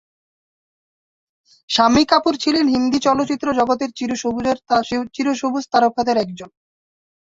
শাম্মী কাপুর ছিলেন হিন্দি চলচ্চিত্র জগতের চির-সবুজ তারকাদের একজন।